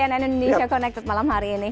terima kasih sudah terhubung malam hari ini